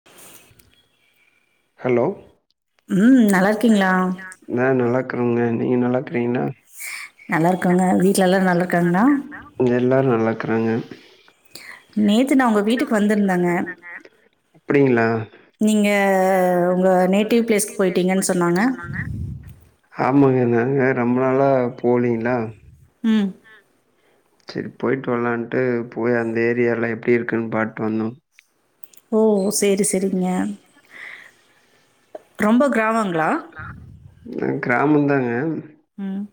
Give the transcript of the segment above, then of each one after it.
[unintelligible] Hello ம் நல்லா இருக்கீங்களா? அ நல்லாக்கர்ங்க நீங்க நல்லாக்கிறீங்களா நல்லர்க்கங்க வீட்ல எல்லாரு நல்லர்க்கங்கா எல்லாரு நல்லாக்கிறாங்க நேத்து நா உங்க வீட்டுக்கு வந்திர்ந்தங்க அப்டிங்களா நீங்க உங்க நேட்டிவ் பிளேஸ்க்கு பொய்ட்டீங்கன் சொன்னாங்க ஆம்மாங்க நாங்கள் ரொம்ப நாளா போலிங்களா ம் சேர் போயிட்டு வரலான்ட்டு போய் அந்த ஏரியால்ல எப்டி இருக்குன் பாட்டு வந்தோ ஓ சேரி செரிங்க கிராமந்தாங்க ம்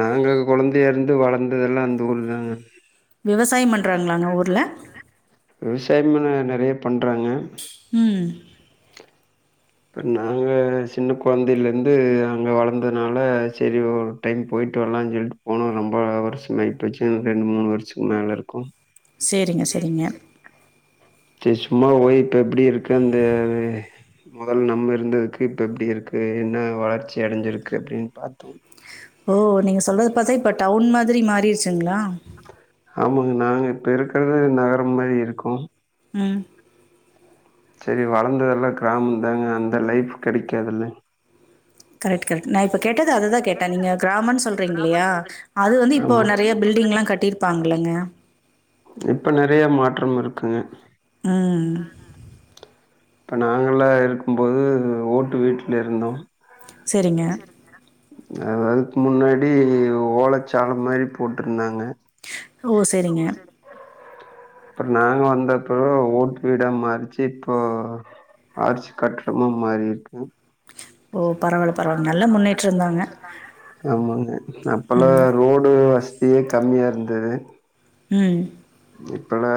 நாங்க கொழந்தையருந்து வளர்ந்ததெல்லா அந்த ஊருதாங்க விவசாயம் பண்றாங்களாங்க ஊர்ல்ல விவசாயமு ந நறைய பண்றாங்க உம் இப்ப நாங்க சின்ன கொழந்தைலேந்து அங்க வளந்தனால்ல செரி டைம் போய்ட்டுவர்லாஞ் சொல்லிட்டு போன ரொம்ப வர்ஸ்ஸமாய்டுச்சு ரெண்ட்மூணு வருஷத்துக்கு மேலருக்கூ சரிங்க, சரிங்க. கே சும்மா ஓய் இப்ப எப்டி இருக்கு அந்த மொதல்ல நம்ம இருந்ததுக்கு இப்ப எப்டி இருக்கு என்ன வளர்ச்சி அடைஞ்சிருக்கு அப்டின்னு பாத்தோ ஓ நீங்க சொல்றத பாத்தா இப்ப டவுன் மாதிரி மாரிருச்சுங்களா ஆமாங்க நாங்க இப்ப இருக்குறது நகரம் மாரி இருக்கு ம் செரி வளந்ததெல்லா கிராமம்தாங்க அந்த லைஃப் கெடைக்காதுல்ல கரெக்ட் கரெக்ட் நா இப்போ கேட்டது அதுதா கேட்டே நீங்க கிராமன்னு சொல்றீங்கல்லையா அது வந்து இப்போ ஆமா அது நெறையா வந்து பில்டிங்ல்லா கட்டிருப்பாங்கல்லங்க இப்ப நெறையா மாற்றம் இருக்குங்க ம் இப்ப நாங்கல்லா இருக்கும்போது ஓட்டு வீட்ல இருந்தோ செரிங்க செரிங்க அதுக்கு முன்னாடி ஓலச்சால மாரி போட்ருந்தாங்க ஓ செரிங்க அப்பறோ நாங்க வந்தப்பறோ ஓட்டு வீட மாருச்சி இப்போ ஆர்ச் கட்டடமா மாரி இருக்கு ஓ! பரவால்ல, பரவால்ல. நல்ல முன்னேற்றம் தாங்க. ஆமாங்க அப்பல்லா ம், ரோடு வ சதி கம்மியா இருந்தது ம் இப்பெல்லா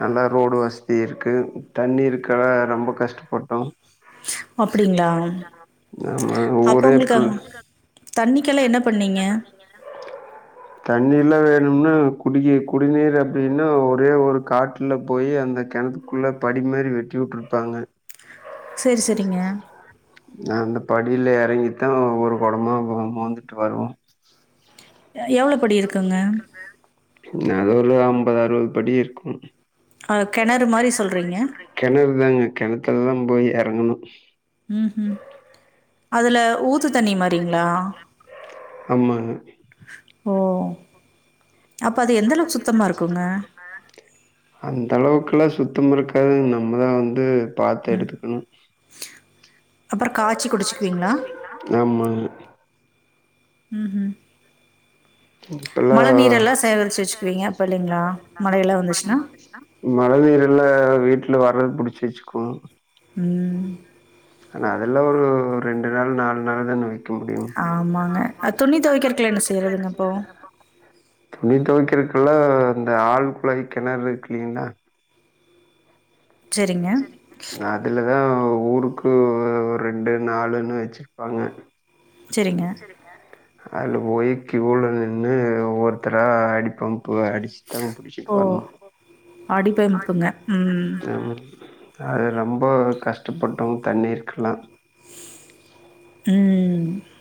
நல்லா ரோடு வசதி இருக்கு தண்ணி இருக்கல ரொம்ப கஷ்டப்பட்டோ அப்டிங்களா? ஆமா அப்போ ஊரே உங்களுக்கு இப்போ அங் தன்னிக்கெல்லா என்ன பண்ணீங்க தண்ணீர்லா வேணும்னா குடி குடிநீர் அப்டின்னா ஒரே ஒரு காற்று குள்ள போய் அந்த கிணத்துக்குள்ள படி மாரி வெட்டி விட்ருப்பாங்க செரி செரிங்க நா அந்த படில இறங்கித்தா ஒவ்வொரு கொடமா மோந்துட்டு வருவோ எவ்ளோ படி இருக்குங்க அது ஒரு ஐம்பது அறுவது படி இருக்கு ஆ கெணறு மாரி சொல்றீங்க கெணறுதாங்க கெணத்துலதா போய் எறங்கணு ம் ம் அதுல ஊத்து தண்ணி மாரிங்களா ஆமாங்க ஓ அப்ப அது எந்த அளவுக்கு சுத்தமா இருக்குங்க அந்த அளவுக்குல்லா சுத்தமா இருக்காது நம்மதா வந்து பாத்து எடுத்துக்கணு அப்புறம் காய்ச்சி குடிச்சுக்குவீங்களா? ஆமாங்க ம் ம் மழ இப்பல்லாம் நீர் எல்லா சேகரிச்சி வச்சிக்குவீங்க அப்ப இல்லைங்களா மழையெல்லா வந்துச்சின்னா மழை நீர் எல்லா வீட்ல வர்றது புடிச்சி வச்சிக்குவோ ம் ஆனா அதெல்லா ஒரு ரெண்டு நாள் நாலு நாள் தான ஆமாங்க அது துணி தொவைக்கிறதுக்கலா என்ன செய்றதுங்க அப்போ துணி தொவைக்கிருக்குல்ல இந்த ஆள் குழாய் கிணறு இருக்குல்லீங்களா செரிங்க அதுலதா ஊருக்கு ரெண்டு நாலுனு வெச்சிருப்பாங்க செரிங்க செரிங்க அதுல போயி கியூல நின்னு ஒவ்வொருத்தரா அடிப்பம்பு அடிச்சித்தா புடிச் ஓ அடி பம்ப்புங்க ம் ஆமா அது ரொம்போ கஷ்டப்பட்டூம் தண்ணி இருக்கலா உம்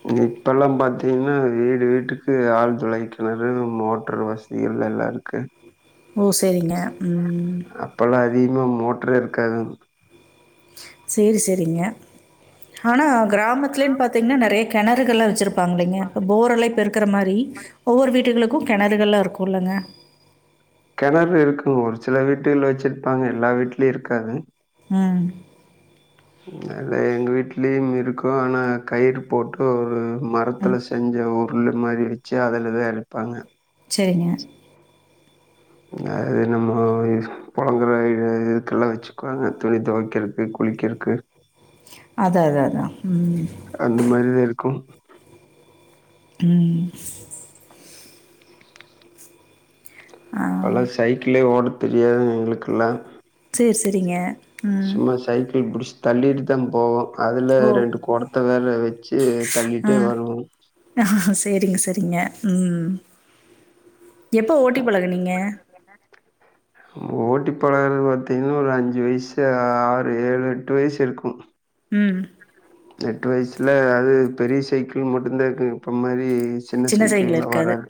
இங்க இப்பல்லா பாத்தீங்கனா வீடு வீட்டுக்கு ஆழ்துளை கிணறு மோட்ரு வஸ் திகள் எல்லா இருக்கு ஓ செரிங்க உம் அப்பல்லா அதிகமாக மோட்ரே இருக்காதுங் சேரி சேரிங்க ஆனா கிராமத்துலேன் பாத்தீங்னா நெறைய கெணறுகள்லா வச்சிருப்பாங்ளேங்க இப்ப போரெல்லா இப்ப இருக்குற மாரி ஒவ்வொரு வீட்டுகளுக்கு கெணறுகள்லா இருக்குலங்க கெணறு இருக்கு ஒரு சில வீட்டுகள்ல வச்சிருப்பாங்க எல்லா வீட்லயு இருக்காது உம் நல்லா எங்க வீட்லயும் இருக்கு ஆனா கயிறு போட்டு ஒரு ம். மரத்துல செஞ்ச உருளு மாரி வச்சி அதலதா எறைப்பாங்க செரிங்க அது நம்மோ யூஸ் பொழங்குற வேலைல இதுக்குல்லா வச்சிக்குவாங்க துணி தொவைக்குறதுக்கு குளிக்கிறக்கு அதா அதா அதா உம் அந்த மாரிதா இருக்கு உம் ஆ. லா சைக்கிளே ஓட்ட தெரியாது எங்ளுக்குல்லா சேர் செரிங்க சும்மா சைக்கிள் பிடிச்சு தள்ளிட்டுதா போவோ அதுல ஓ! ரெண்டு கொடத்த வேற வச்சி தள்ளிட்டே வருவோ ஆ சேரிங்க செரிங்க உம் எப்ப ஓட்டி பழகுனீங்க என்னாச்சி ஓட்டி பழகுறது பாத்திங்கனா ஒரு அஞ்சி வயசு ஆறு ஏழு எட்டு வயசு இருக்கு ம் எட்டு வயசுல அது பெரிய சைக்கிள் மட்டுந்தா இருக்கு இப்பொ மாரி சின்ன சைக்கிள் சைக்கிள்லா இருக்காது. வராது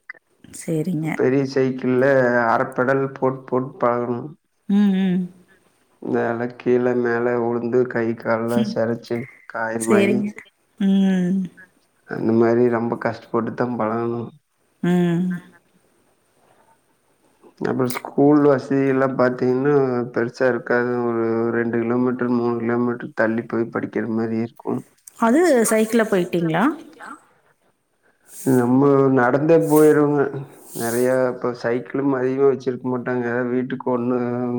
சரிங்க. பெரிய சை சைக்கிள்ல அரப்பெடல் போட் போட் பழகணும் ம் ம் மேலக் கீழ மேல உழுந்து கைக் கால்ல சரிச்சி காயமாயி சரிங்க. ம், அந்த மாரி ரெம்ப கஷ்டப்பட்டுதா பழகுணோ உம் நம்ம ஸ்கூல் வசதி எல்லா பாத்தீங்கனா பெருசா இருக்காது ஒரு ரெண்டு கிலோமீட் ட்ரூ மூணு கிலோமீட்ரூ தள்ளி போய் படிக்கிற மாரி இருக்கு அது சைக்கிள போயிட்டீங்ளா நம்ம நடந்தே போயிருவே நெறைய அப்ப சைக் ளும் அதிகமா வச்சிருக்க மாட்டாங்க வீட்டுக்கு ஒண்ணு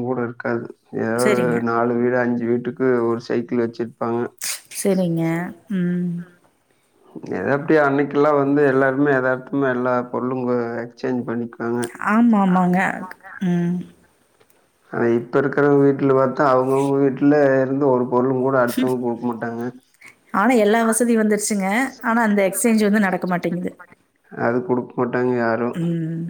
கூட இருக்காது ஏ செரிங்க நாலு வீடு அஞ்சு வீட்டுக்கு ஒரு சைக்கிள் வெச்சிர்ப்பாங்க செரிங்க ம் எது எப்டியோ அன்னைக்கெல்லா வந்து எல்லாருமே எதார்த்தமா எல்லா பொருளுங்க எக்ஸ்சேஞ்ச் பண்ணிக்வாங்க ஆமா ஆமாங்க ம் ஆனா இப்ப இருக்கறவ்ங்க வீட்ல பாத்தா அவங்கவுங்க வீட்ல இருந்து ஒரு பொருளுங்கூட அடுத்தவ்ங்க் குடுக் மாட்டாங்கங்க ஆனா எல்லா வசதியு வந்துருச்சுங்க ஆனா அந்த எக்ஸ்சேஞ்ச் வந்து நடக்க மாட்டேங்கிது அது குடுக் மாட்டாங்க யாரு ம்.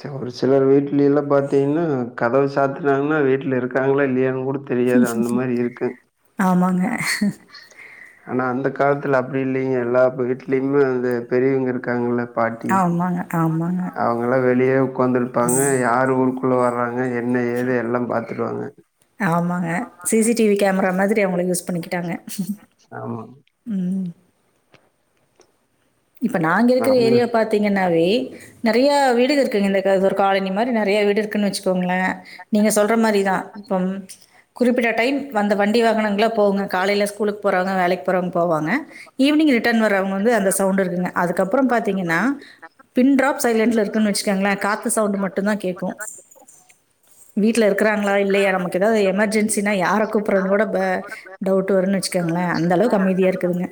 சே ஒரு சிலர் வீட்லில்லா பாத்தீங்கன்னா கதவு சாத்துனாங்கன்னா வீட்ல இருக்காங்ளா இல்லையான் கூட தெரியாது அந்த மாரி இருக்கு ஆமாங்க, ஆனா அந்த காலத்துல அப்பிடி இல்லீங்க எல்லா ப வீட்லயுமு அந்த பெரியவங்க இருக்காங்கில்ல ஆமாங்க ஆமாங்க எல்லா வெளியே உக்காந்துருப்பாங்க யாரு ஊருக்குள்ள வர்றாங்க என்ன ஏது எல்லா பாத்துருவாங்க ஆமாங்க C C T V camera மாதிரி அவங்கள யூஸ் பண்ணிக்கிட்டாங்க ஆமா ம் இப்ப நாங்க இர்க்கற அவங்க ஏரியா பாத்தீங்கன்னாவே நெறையா வீடுக இருக்குங்க இந்த க இது ஒரு காலணி மாரி நெறையா வீடு இருக்குன் வெச்சுக்கோங்ளே நீங்க சொல்ற மாரிதா இப்பம் குறிப்பிட்ட டைம் வந்த வண்டி வாகனங்கள்லா போகுங்க காலைல ஸ்கூலுக் போறவ்ங்க வேலைக் போறவ்ங் போவாங்க ஈவினி்ங் ரிட்டன் வரவ்ங்க வந்து அந்த சவுண்ட் இருக்குங்க அதுக்கப்பறோ பாத்தீங்கன்னா பின் ட்ராப் சைலண்ட்ல இருக்குன் வெச்சு இருக்குன் வெச்சுக்கங்ளே காத்து சவுண்டு மட்டுந்தா கேக்கு வீட்ல இருக்கறாங்ளா இல்லையா நமக்கு எதாவ்து எமர்ஜென்ஸினா யார கூப்பட்றதுன் கூட ப டவுட் வருன்னு வெச்சுக்கங்ளே அந்தளவுக்கு அமைதியா இருக்குதுங்க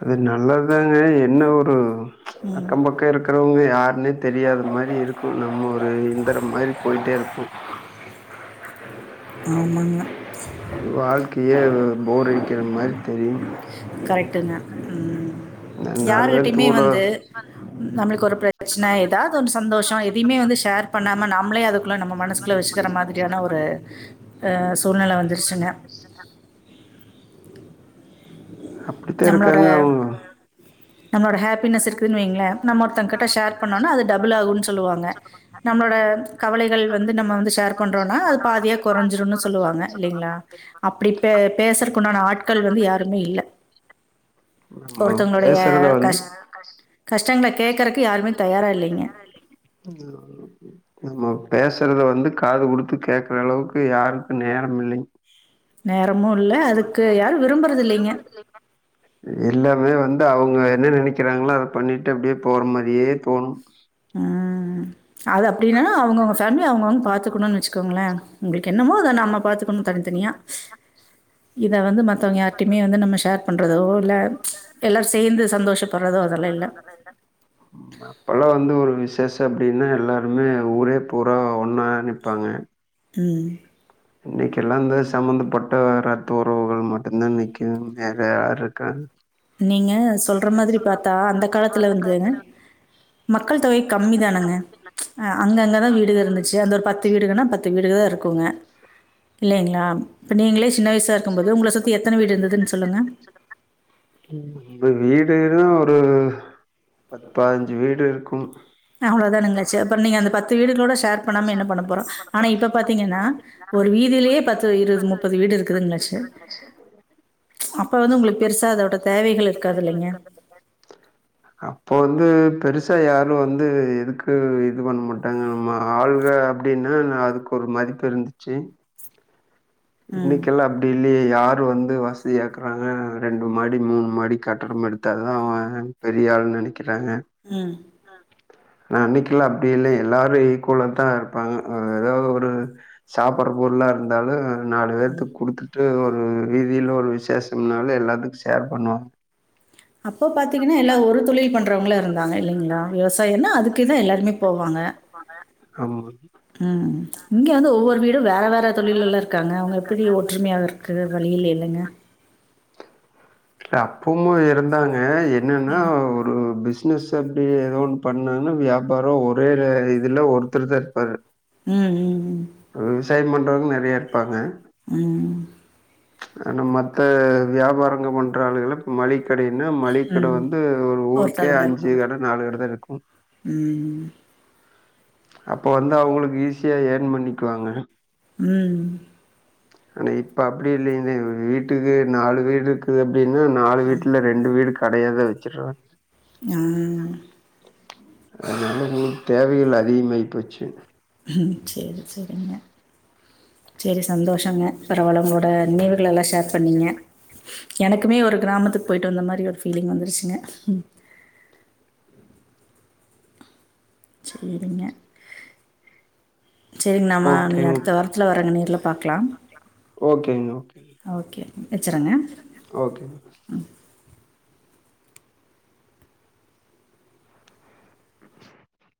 அது நல்லத் தாங்க என்ன ஒரு அக்கம் பக் கோ இருக்கறவ்ங்க யார்ன்னே தெரியாத மாரி இருக்கு நம்ம ஒரு எந்திரம் மாரி போயிட்டே இருப்போ ஆமாங்க வாழ்க்கையே போர் அடிக்கிற மாரி தெரியும் கரெக்ட்டுங்க ம் நா நாலு பேர்த்து யார்கிட்டயுமே கூட வந்து நம்மளுக்கு ஒரு பிரச்சன எதாவ்து ஒன்னு சந்தோஷோ எதைமே வந்து ஷேர் பண்ணாம நாம்ளே அதுக்குள்ள நம்ம மனசு குள்ள வெச்சுக்கிற மாதிரியான ஒரு அ சூழ்நில வந்துருச்சுங்க அப்படித்தான் நம்ளோட இருக்காங்க அவங்க. நம்ளோட ஹேப்பினஸ் இருக் குதுன் வெய்ங்ளே நம்ம ஒருத்தங் கிட்ட ஷேர் பண்ணோன்னா அது டபுள் ஆகுன் சொல்லுவாங்க நம்ளோட கவலைகள் வந்து நம்ம வந்து ஷேர் பண்றோனா அது பாதியா கொறஞ்சிருன்னு சொல்லுவாங்க இல்லைங்ளா அப்பிடி பே பேசறக்குண்டான ஆட்கள் வந்து யாருமே இல்ல நம்ம ஒருத்தவ்ங்ளுடைய பேசுறத வந்து கஷ் கஷ்டங்கள கேக்கறக்கு யாருமே தயாரா இல்லீங்க அங்க நம்ம பேசறத வந்து காது குடுத்து கேக்கறளவுக்கு யாருக்கு நேரம் இல்லீங் நேரமு இல்ல அதுக்கு யாரு விரும்பறதில்லீங்க எல்லாமே வந்து அவுங்க என்ன நெனைக்கறாங்ளோ அத பண்ணிட்டு அப்டியே போற மாரியே போணு ம் அது அப்டின்னானா அவுங்கவுங்க ஃபேமிலிய அவுங்கவுங் பாத்துக்கணுன் வெச்சுக் கோங்ளே உங்களுக் என்னமோ அத நம்ம பாத்துக்கணு தனி தனியா இத வந்து மத்தவங்க யார்ட்டையுமே வந்து நம்ம ஷேர் பண்ணுறதோ இல்ல எல்லோரு சேர்ந்து சந்தோஷப்படுறதோ அதெல்லா இல்ல சமையல்ல அப்பலா வந்து ஒரு விசேஷோ அப்டின்னா எல்லாருமே ஊரே பூரா ஒன்னா நிப்பாங்க ம் இன்னைக்கெல்லா அந்த சம்பந்தப்பட்ட ரத்த உறவுகள் மட்டும்தா நிக்கறாங்க வேற யாரு இருக்காங்க நீங்க சொல்ற மாதிரி பாத்தா அந்த காலத்துல வந்துங்க மக்கள் தொகை கம்மி தானுங்க அ அங்கங்கதா வீடுகள் இருந்துச்சு அந்த ஒரு பத்து வீடுகள்ன்னா பத் து வீடுகள்தா இருக்குங்க இல்லைங்ளா இப்ப நீங்களே சின்ன வயசாக இருக்கும்போது உங்கள சுத்தி எத்தன வீடு இருந்ததுன்னு சொல்லுங்க [unintelligible] இப்ப வீடுன்னா ஒரு பத் பதினெஞ்சு வீடு இருக்கு அவ்வளோதானுங்க சேர் அப்பறோ நீங்க அந்த பத்து வீடுகளோட ஷேர் பண்ணாம என்ன பண்ண போறோ ஆனா இப்ப பாத்தீங்கன்னா ஒரு வீதியிலேயே பத்து இருபது முப்பது வீடு இருக்குதுங்காச்சு அப்ப வந்து உங்களுக்கு பெருசா அதோட தேவைகள் இருக்காது இல்லைங்க அப்ப வந்து பெருசா யாரு வந்து எதுக்கு இது பண்ண மாட்டாங்க நம்ம ஆள்க அப்படின்னா அதுக்கு ஒரு மதிப்புயிருந்துச்சு ம். இன்னைக்கெல்லா அப்படி இல்லையே யாரு வந்து வசதியாருக்குறாங்க ரெண்டு மாடி மூணு மாடி கட்டடோமெடுத்தா தா அவுங்க பெரிய ஆள் நெனைக்கிறாங்க ம் அ அன்னைக்கில்லா அப்பிடி இல்லூ எல்லாரு ஈக்குவல்லா தா இருப்பாங்க ஏதாவது ஒரு சாப்புட்ற பொருல்லா இருந்தாலு நாலு பேத்துக்கு குடுத்துட்டு ஒரு ரீதியில ஒரு விசேஷோம்னாலே எல்லாத்துக்கு ஷேர் பண்ணு அப்ப பாத்திங்கன்னா எல்லா ஒரு தொழில் பண்ணுறவங்களா இருந்தாங்க இல்லைங்களா விவசாயோன்னா அதுக்கு தா எல்லாருமே போவாங்க போன ஆமா ம் இங்க வந்து ஒவ்வொரு வீடு வேற வேற தொழில்லல்லா இருக்காங்க அவுங்க எப்பிடி ஒற்றுமையா இருக் குற வழியில இல்லங்க அப்போமு இருந்தாங்க என்னன்னா ஒரு பிஸ் ஸ்னஸ அப்படி ஏதோ ஒன்னு பண்ணாங்னா வியாபாரோ ஒரே இதுல ஒருத்தர் தா இருப்பாரு ம் ம் ம் விவசாயோ பண்றவங்க நறைய இருப்பாங்க ம் ஆனா மத்த வியாபாரங்கள் பண்ற ஆளுகள மளிக கடையின்னா மளிக்கட ம். வந்து ஒரு ஊருக்கே ஒருத்தங்க தான் அஞ்சு இருப்பாங்க. கட நாலு கட தா இருக்கு ம் ம் அப்போ வந்து அவங்களுக்கு ஈஸியா ஏர்ன் பண்ணிக்குவாங்க ம் ஆனா இப்ப அப்படி இல்லிங்க இந்த வீட்டுக்கு நாலு வீடு இருக்குது அப்டின்னா நாலு வீட்ல ரெண் ரெண்டு வீடு கடையா தா வச்சுட்றாங்க ம் அதனால உங்களுக்கு தேவைகள் அதிகமாயி போச்சு ம் சேரி சேரிங்க செரி சந்தோஷங்க பரவால்ல ஒங்களோட நினைவுக ளல்லா ஷேர் பண்ணீங்க எனக்குள்ளே ஒரு கிராமத்துக்கு போய்ட்டட்டு வந்த மாரி ஒரு ஃபீலிங் வந்துருச்சுங்க சேரிங்க சேரி நம்ம நீங்க ஓகேங்க. அடுத்த வாரத்துல வரேங்க நேர்ல பாக்கலாம் ஓகேங்க ஓகே ஓகே வச்சுருங்க ஓகே [unintelligible]